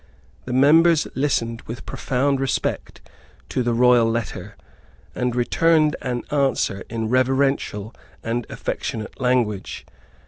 The members listened with profound respect to the royal letter, and returned an answer in reverential and affectionate language.